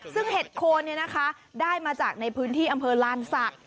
ซึ่งเห็ดโคนได้มาจากในพื้นที่อำเภอลานศักดิ์